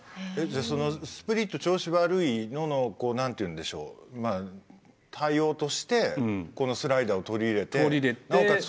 じゃそのスプリット調子悪いののこう何て言うんでしょうまあ対応としてこのスライダーを取り入れてなおかつ